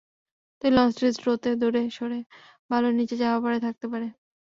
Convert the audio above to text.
তাই লঞ্চটি স্রোতে দূরে সরে বালুর নিচে চাপা পড়ে থাকতে পারে।